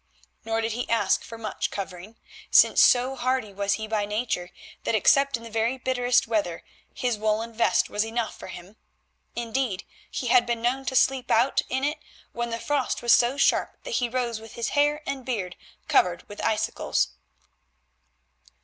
Nor did he ask for much covering, since so hardy was he by nature, that except in the very bitterest weather his woollen vest was enough for him. Indeed, he had been known to sleep out in it when the frost was so sharp that he rose with his hair and beard covered with icicles.